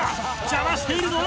邪魔しているぞ！